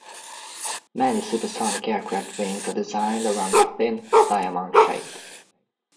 Many supersonic aircraft wings are designed around a thin diamond shape.